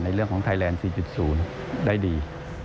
เรื่องของไทยแลนด์๔๐ได้ดี